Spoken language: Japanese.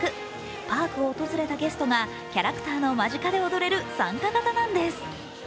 パークを訪れたゲストがキャラクターの間近で踊れる参加型なんです。